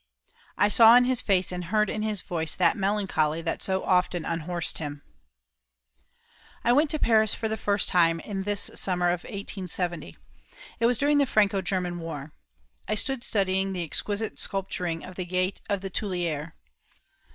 I saw on his face and heard in his voice that melancholy that so often unhorsed him. I went to Paris for the first time in this summer of 1870. It was during the Franco German war. I stood studying the exquisite sculpturing of the gate of the Tuileries.